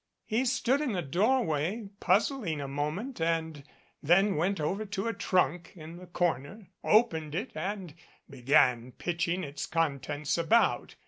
He stood in the doorway puzzling a moment and then went over to a trunk in the corner, opened it and began pitching its contents about.